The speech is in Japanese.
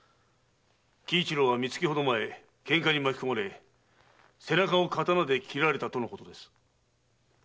喜一郎は三月ほど前喧嘩に巻き込まれ背中を刀で斬られたとのことです。